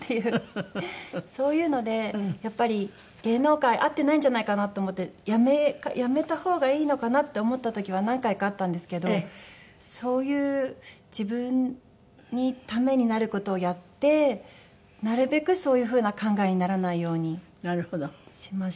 そういうのでやっぱり芸能界合ってないんじゃないかなって思ってやめた方がいいのかなって思った時は何回かあったんですけどそういう自分にためになる事をやってなるべくそういう風な考えにならないようにしました。